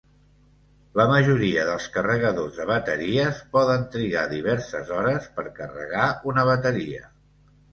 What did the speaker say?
La majoria dels carregadors de bateries poden trigar diverses hores per carregar una bateria.